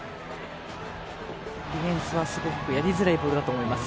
ディフェンスは、すごくやりづらいボールだと思います。